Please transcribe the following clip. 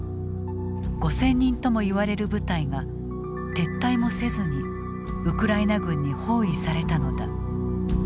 ５，０００人ともいわれる部隊が撤退もせずにウクライナ軍に包囲されたのだ。